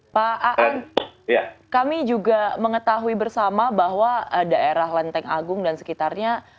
pak aan kami juga mengetahui bersama bahwa daerah lenteng agung dan sekitarnya